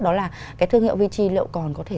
đó là cái thương hiệu vic liệu còn có thể